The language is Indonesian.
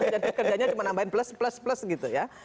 jadi kerjanya cuma tambahin plus plus gitu ya